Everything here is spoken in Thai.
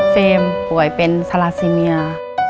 เฟมป่วยเป็นทราสิโมียา